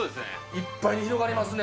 いっぱいに広がりますね。